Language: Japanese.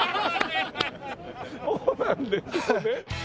そうなんですね。